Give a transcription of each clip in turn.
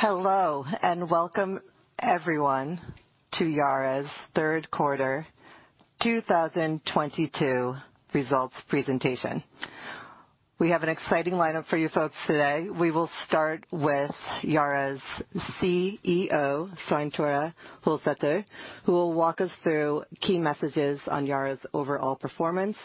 Hello, and welcome everyone to Yara's third quarter 2022 results presentation. We have an exciting lineup for you folks today. We will start with Yara's CEO, Svein Tore Holsether, who will walk us through key messages on Yara's overall performance.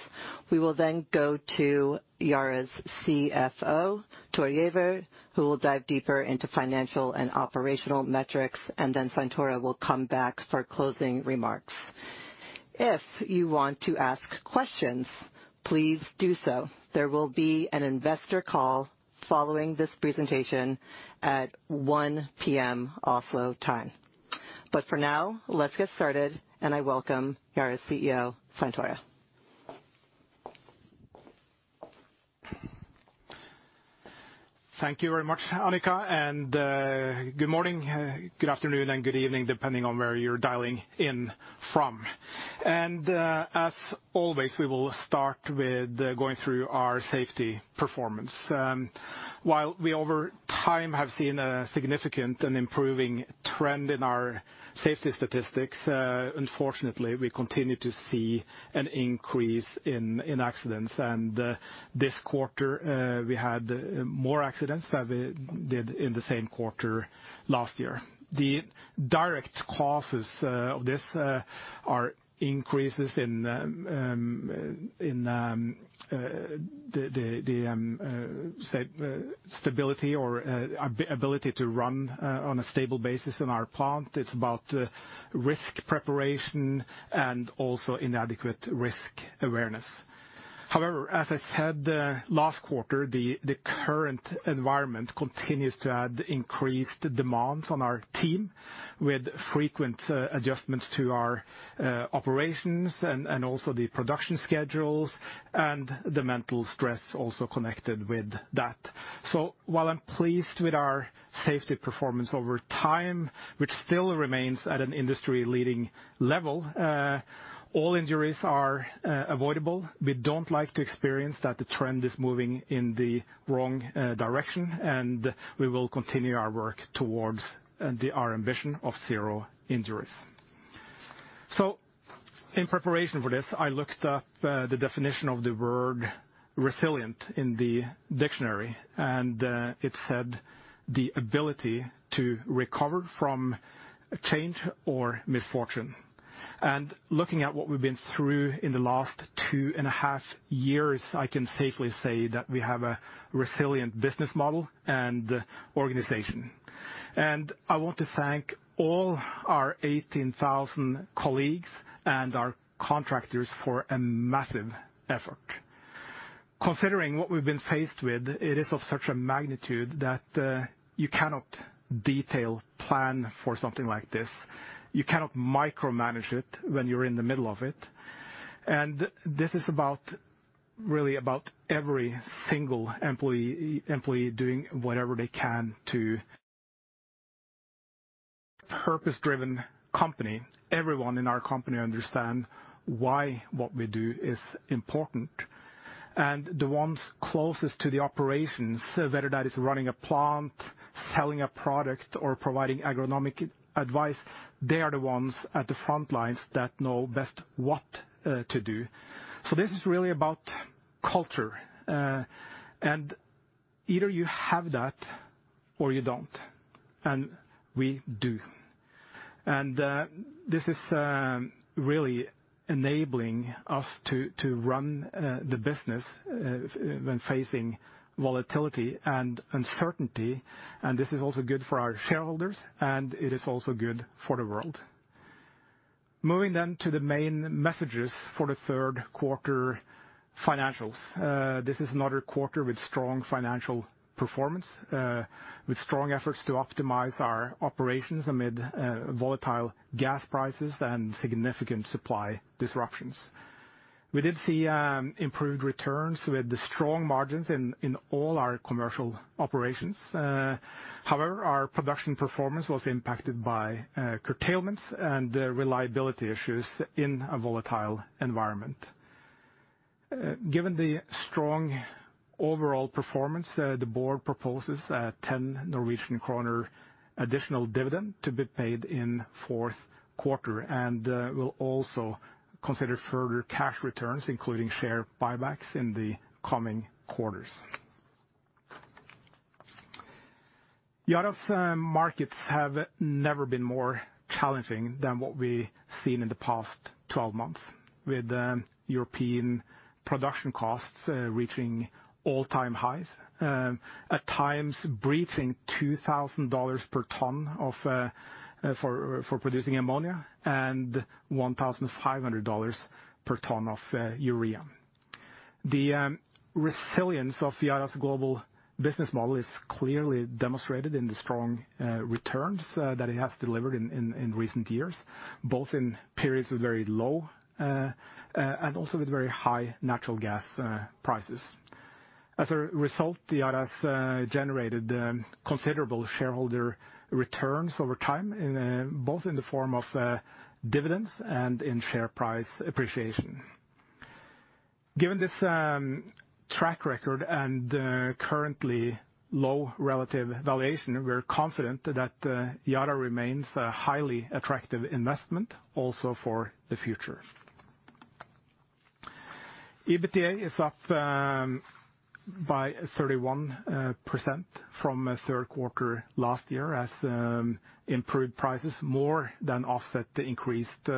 We will then go to Yara's CFO, Thor Giæver, who will dive deeper into financial and operational metrics, and then Svein Tore will come back for closing remarks. If you want to ask questions, please do so. There will be an investor call following this presentation at 1:00 P.M. Oslo time. For now, let's get started, and I welcome Yara's CEO, Svein Tore. Thank you very much, Annika, and good morning, good afternoon and good evening, depending on where you're dialing in from. As always, we will start with going through our safety performance. While we over time have seen a significant and improving trend in our safety statistics, unfortunately, we continue to see an increase in accidents. This quarter, we had more accidents than we did in the same quarter last year. The direct causes of this are increases in the stability or ability to run on a stable basis in our plant. It's about risk preparation and also inadequate risk awareness. However, as I said, last quarter, the current environment continues to add increased demands on our team with frequent adjustments to our operations and also the production schedules and the mental stress also connected with that. While I'm pleased with our safety performance over time, which still remains at an industry-leading level, all injuries are avoidable. We don't like to experience that the trend is moving in the wrong direction, and we will continue our work towards our ambition of zero injuries. In preparation for this, I looked up the definition of the word resilient in the dictionary, and it said the ability to recover from change or misfortune. Looking at what we've been through in the last two and a half years, I can safely say that we have a resilient business model and organization. I want to thank all our 18,000 colleagues and our contractors for a massive effort. Considering what we've been faced with, it is of such a magnitude that you cannot detail plan for something like this. You cannot micromanage it when you're in the middle of it. This is about, really about every single employee doing whatever they can to purpose-driven company. Everyone in our company understand why what we do is important. The ones closest to the operations, whether that is running a plant, selling a product or providing agronomic advice, they are the ones at the front lines that know best what to do. This is really about culture. Either you have that or you don't. We do. This is really enabling us to run the business when facing volatility and uncertainty. This is also good for our shareholders, and it is also good for the world. Moving to the main messages for the third quarter financials. This is another quarter with strong financial performance, with strong efforts to optimize our operations amid volatile gas prices and significant supply disruptions. We did see improved returns with the strong margins in all our commercial operations. However, our production performance was impacted by curtailments and reliability issues in a volatile environment. Given the strong overall performance, the board proposes a 10 Norwegian kroner additional dividend to be paid in fourth quarter. We'll also consider further cash returns, including share buybacks in the coming quarters. Yara's markets have never been more challenging than what we've seen in the past 12 months, with European production costs reaching all-time highs, at times breaching $2,000 per ton for producing ammonia and $1,500 per ton of urea. The resilience of Yara's global business model is clearly demonstrated in the strong returns that it has delivered in recent years, both in periods with very low and also with very high natural gas prices. As a result, Yara's generated considerable shareholder returns over time, both in the form of dividends and in share price appreciation. Given this track record and currently low relative valuation, we're confident that Yara remains a highly attractive investment also for the future. EBITDA is up by 31% from third quarter last year as improved prices more than offset the increased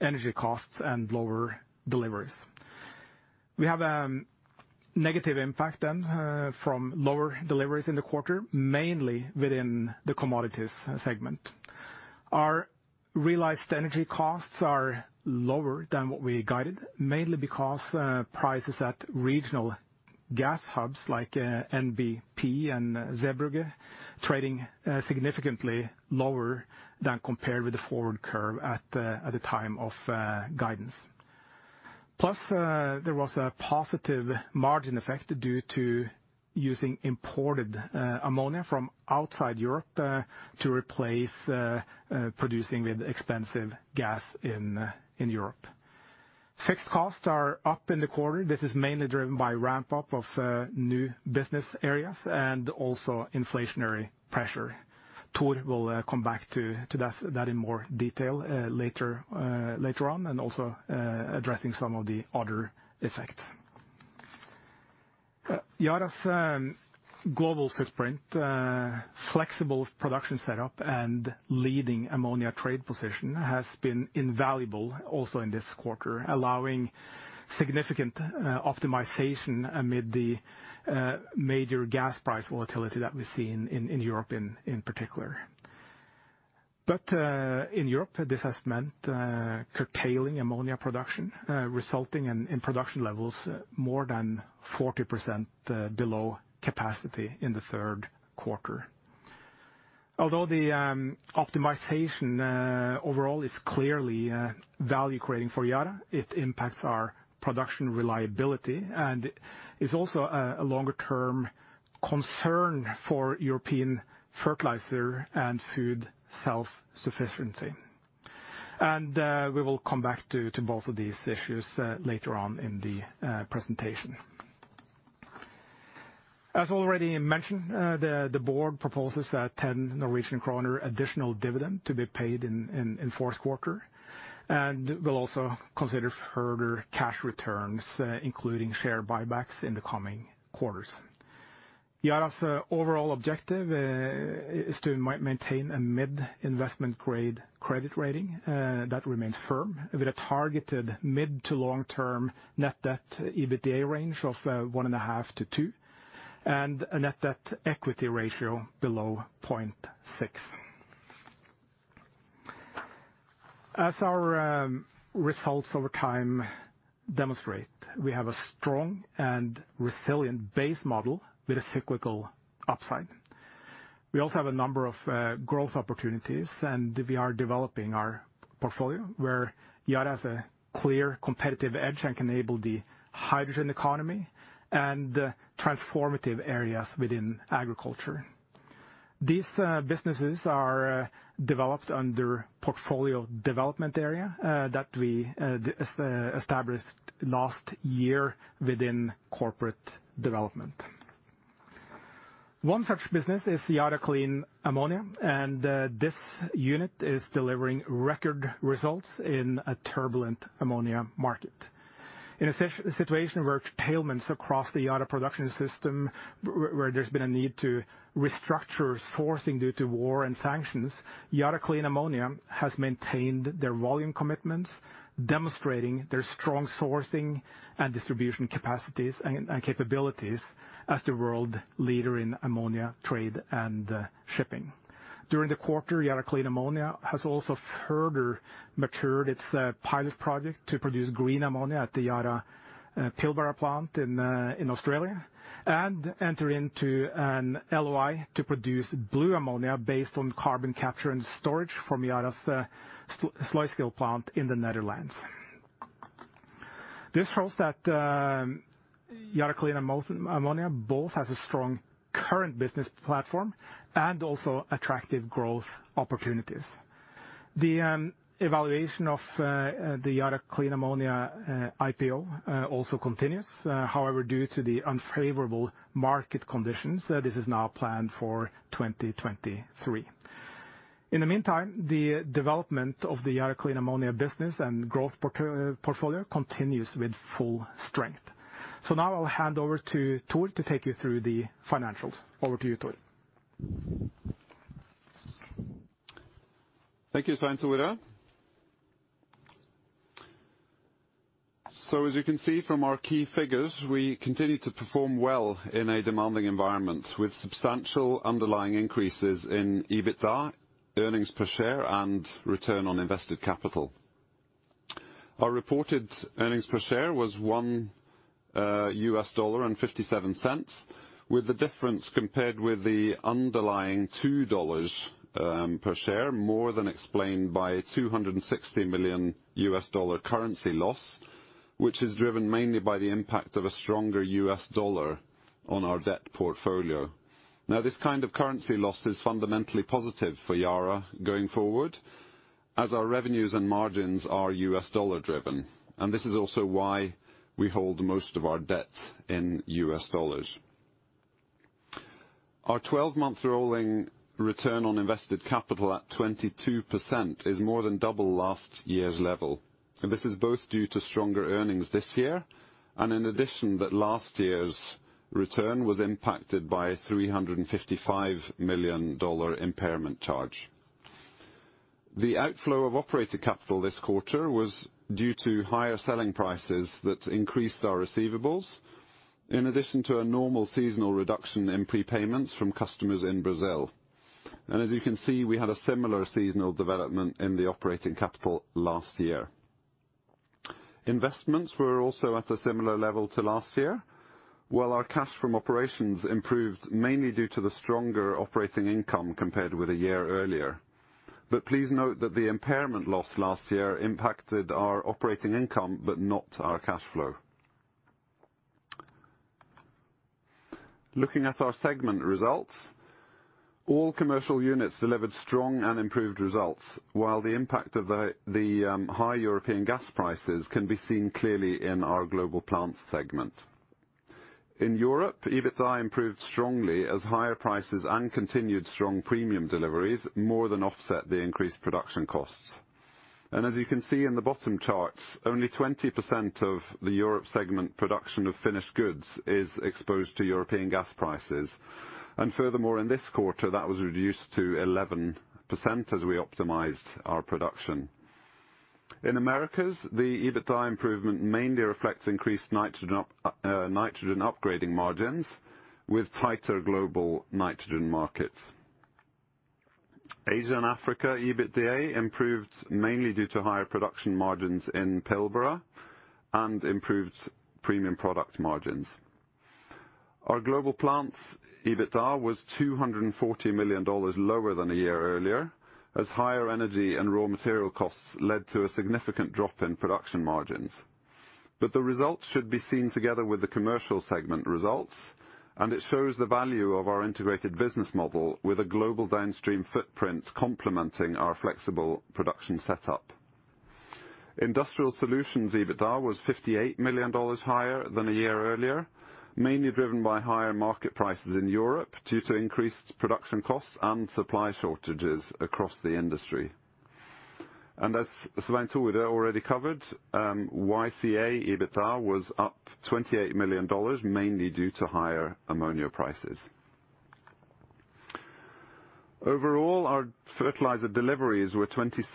energy costs and lower deliveries. We have negative impact then from lower deliveries in the quarter, mainly within the commodities segment. Our realized energy costs are lower than what we guided, mainly because prices at regional gas hubs like NBP and Zeebrugge trading significantly lower than compared with the forward curve at the time of guidance. Plus, there was a positive margin effect due to using imported ammonia from outside Europe to replace producing with expensive gas in Europe. Fixed costs are up in the quarter. This is mainly driven by ramp up of new business areas and also inflationary pressure. Thor Giæver will come back to that in more detail later on, and also addressing some of the other effects. Yara's global footprint, flexible production setup and leading ammonia trade position has been invaluable also in this quarter, allowing significant optimization amid the major gas price volatility that we've seen in Europe in particular. In Europe, this has meant curtailing ammonia production, resulting in production levels more than 40% below capacity in the third quarter. Although the optimization overall is clearly value creating for Yara, it impacts our production reliability and is also a longer term concern for European fertilizer and food self-sufficiency. We will come back to both of these issues later on in the presentation. As already mentioned, the board proposes that 10 Norwegian kroner additional dividend to be paid in fourth quarter, and we'll also consider further cash returns, including share buybacks in the coming quarters. Yara's overall objective is to maintain a mid investment grade credit rating that remains firm with a targeted mid- to long-term net debt to EBITDA range of 1.5-2, and a net debt to equity ratio below 0.6. As our results over time demonstrate, we have a strong and resilient base model with a cyclical upside. We also have a number of growth opportunities, and we are developing our portfolio where Yara has a clear competitive edge and can enable the hydrogen economy and transformative areas within agriculture. These businesses are developed under portfolio development area that we established last year within corporate development. One such business is the Yara Clean Ammonia, and this unit is delivering record results in a turbulent ammonia market. In a situation where curtailments across the Yara production system, where there's been a need to restructure sourcing due to war and sanctions, Yara Clean Ammonia has maintained their volume commitments, demonstrating their strong sourcing and distribution capacities and capabilities as the world leader in ammonia trade and shipping. During the quarter, Yara Clean Ammonia has also further matured its pilot project to produce green ammonia at the Yara Pilbara plant in Australia and enter into an LOI to produce blue ammonia based on carbon capture and storage from Yara's Sluiskil plant in the Netherlands. This shows that Yara Clean Ammonia both has a strong current business platform and also attractive growth opportunities. The evaluation of the Yara Clean Ammonia IPO also continues. However, due to the unfavorable market conditions, this is now planned for 2023. In the meantime, the development of the Yara Clean Ammonia business and growth portfolio continues with full strength. Now, I'll hand over to Thor to take you through the financials. Over to you, Thor. Thank you, Svein Tore Holsether. As you can see from our key figures, we continue to perform well in a demanding environment with substantial underlying increases in EBITDA, earnings per share, and return on invested capital. Our reported earnings per share was $1.57, with the difference compared with the underlying $2 per share, more than explained by $260 million currency loss, which is driven mainly by the impact of a stronger U.S. dollar on our debt portfolio. Now, this kind of currency loss is fundamentally positive for Yara going forward. As our revenues and margins are U.S. dollar driven, and this is also why we hold most of our debt in U.S. dollars. Our 12-month rolling return on invested capital at 22% is more than double last year's level. This is both due to stronger earnings this year and in addition, that last year's return was impacted by $355 million impairment charge. The outflow of operating capital this quarter was due to higher selling prices that increased our receivables, in addition to a normal seasonal reduction in prepayments from customers in Brazil. As you can see, we had a similar seasonal development in the operating capital last year. Investments were also at a similar level to last year, while our cash from operations improved mainly due to the stronger operating income compared with a year earlier. Please note that the impairment loss last year impacted our operating income but not our cash flow. Looking at our segment results, all commercial units delivered strong and improved results, while the impact of the high European gas prices can be seen clearly in our global plant segment. In Europe, EBITDA improved strongly as higher prices and continued strong premium deliveries more than offset the increased production costs. As you can see in the bottom charts, only 20% of the Europe segment production of finished goods is exposed to European gas prices. Furthermore, in this quarter, that was reduced to 11% as we optimized our production. In Americas, the EBITDA improvement mainly reflects increased nitrogen upgrading margins with tighter global nitrogen markets. Asia and Africa EBITDA improved mainly due to higher production margins in Pilbara and improved premium product margins. Our global plant's EBITDA was $240 million lower than a year earlier, as higher energy and raw material costs led to a significant drop in production margins. The results should be seen together with the commercial segment results, and it shows the value of our integrated business model with a global downstream footprint complementing our flexible production setup. Industrial Solutions EBITDA was $58 million higher than a year earlier, mainly driven by higher market prices in Europe due to increased production costs and supply shortages across the industry. As Svein Tore Holsether already covered, YCA EBITDA was up $28 million, mainly due to higher ammonia prices. Overall, our fertilizer deliveries were 26%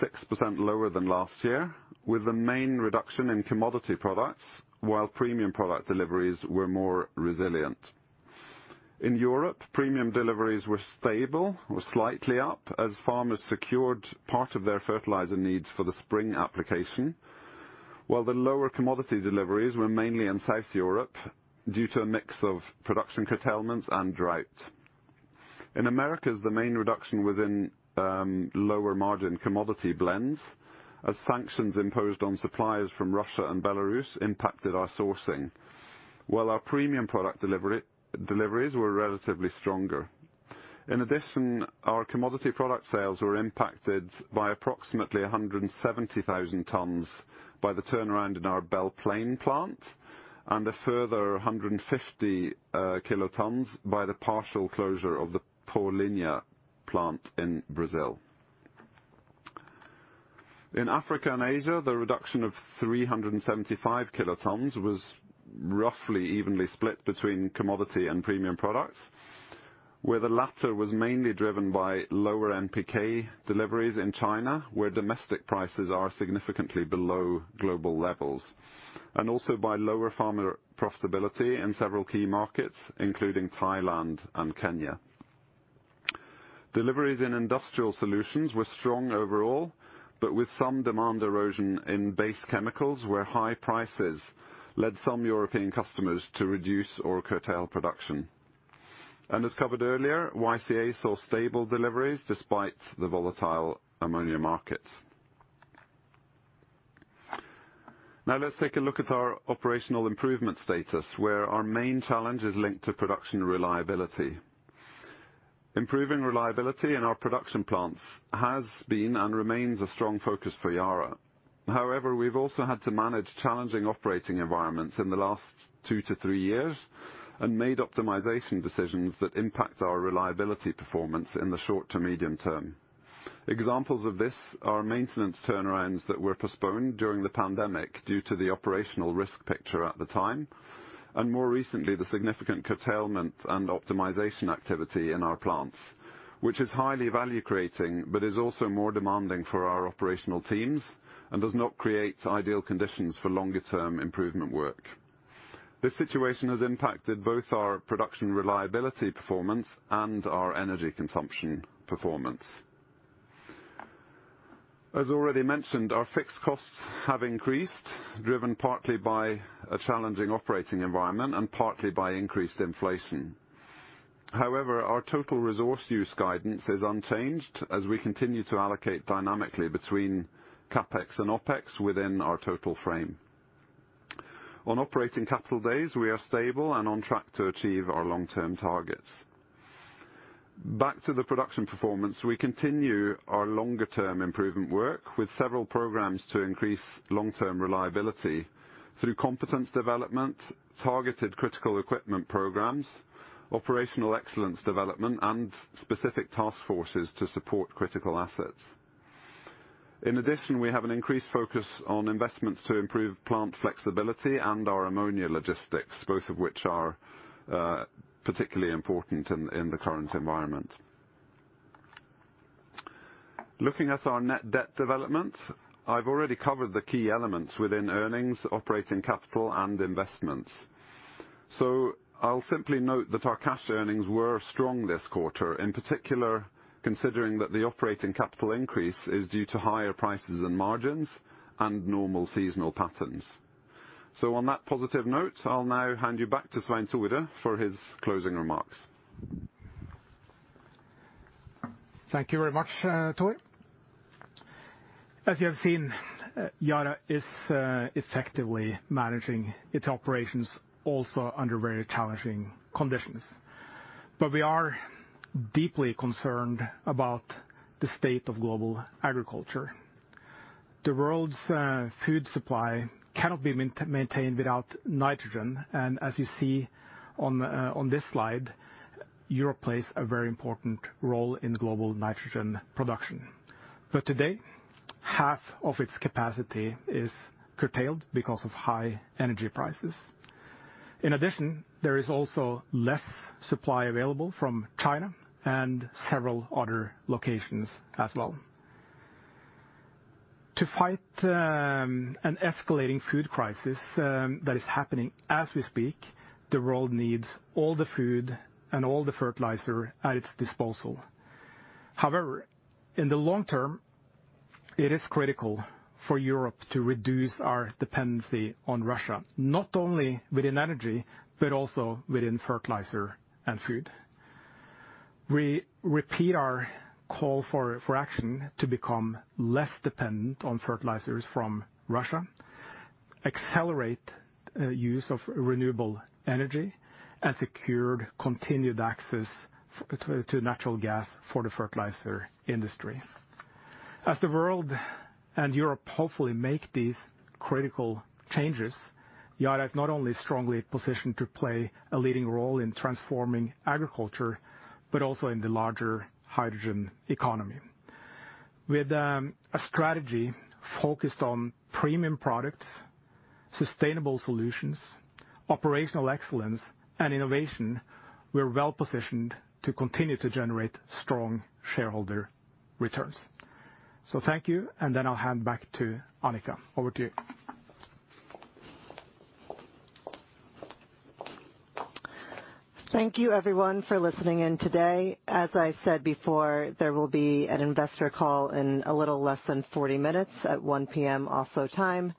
lower than last year, with the main reduction in commodity products, while premium product deliveries were more resilient. In Europe, premium deliveries were stable or slightly up as farmers secured part of their fertilizer needs for the spring application, while the lower commodity deliveries were mainly in South Europe due to a mix of production curtailments and drought. In Americas, the main reduction was in lower margin commodity blends as sanctions imposed on suppliers from Russia and Belarus impacted our sourcing, while our premium product deliveries were relatively stronger. In addition, our commodity product sales were impacted by approximately 170,000 tons by the turnaround in our Belle Plaine plant and a further 150 kilotons by the partial closure of the Paulínia plant in Brazil. In Africa and Asia, the reduction of 375 kilotons was roughly evenly split between commodity and premium products, where the latter was mainly driven by lower NPK deliveries in China, where domestic prices are significantly below global levels, and also by lower farmer profitability in several key markets, including Thailand and Kenya. Deliveries in Industrial Solutions were strong overall, but with some demand erosion in base chemicals, where high prices led some European customers to reduce or curtail production. As covered earlier, YCA saw stable deliveries despite the volatile ammonia market. Now, let's take a look at our operational improvement status, where our main challenge is linked to production reliability. Improving reliability in our production plants has been and remains a strong focus for Yara. However, we've also had to manage challenging operating environments in the last two to three years and made optimization decisions that impact our reliability performance in the short to medium term. Examples of this are maintenance turnarounds that were postponed during the pandemic due to the operational risk picture at the time, and more recently, the significant curtailment and optimization activity in our plants, which is highly value-creating but is also more demanding for our operational teams and does not create ideal conditions for longer-term improvement work. This situation has impacted both our production reliability performance and our energy consumption performance. As already mentioned, our fixed costs have increased, driven partly by a challenging operating environment and partly by increased inflation. However, our total resource use guidance is unchanged as we continue to allocate dynamically between CapEx and OpEx within our total frame. On operating capital days, we are stable and on track to achieve our long-term targets. Back to the production performance, we continue our longer term improvement work with several programs to increase long-term reliability through competence development, targeted critical equipment programs, operational excellence development, and specific task forces to support critical assets. In addition, we have an increased focus on investments to improve plant flexibility and our ammonia logistics, both of which are particularly important in the current environment. Looking at our net debt development, I've already covered the key elements within earnings, operating capital and investments. I'll simply note that our cash earnings were strong this quarter, in particular, considering that the operating capital increase is due to higher prices and margins and normal seasonal patterns. On that positive note, I'll now hand you back to Svein Tore for his closing remarks. Thank you very much, Thor. As you have seen, Yara is effectively managing its operations also under very challenging conditions. We are deeply concerned about the state of global agriculture. The world's food supply cannot be maintained without nitrogen. As you see on this slide, Europe plays a very important role in global nitrogen production. Today, half of its capacity is curtailed because of high energy prices. In addition, there is also less supply available from China and several other locations as well. To fight an escalating food crisis that is happening as we speak, the world needs all the food and all the fertilizer at its disposal. However, in the long term, it is critical for Europe to reduce our dependency on Russia, not only within energy, but also within fertilizer and food. We repeat our call for action to become less dependent on fertilizers from Russia, accelerate use of renewable energy, and secure continued access to natural gas for the fertilizer industry. As the world and Europe hopefully make these critical changes, Yara is not only strongly positioned to play a leading role in transforming agriculture, but also in the larger hydrogen economy. With a strategy focused on premium products, sustainable solutions, operational excellence and innovation, we're well-positioned to continue to generate strong shareholder returns. Thank you, and then I'll hand back to Annika. Over to you. Thank you everyone for listening in today. As I said before, there will be an investor call in a little less than 40 minutes at 1:00 P.M. Oslo time.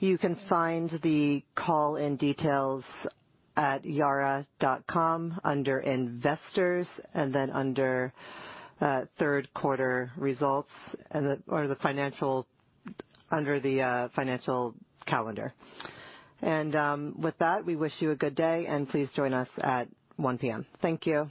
You can find the call and details at yara.com under Investors, and then under third quarter results or the financial calendar. With that, we wish you a good day, and please join us at 1:00 P.M. Thank you.